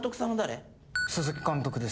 鈴木監督です。